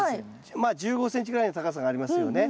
まあ１５ｃｍぐらいの高さがありますよね。